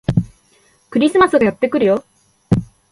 クリスマスがやってくるよ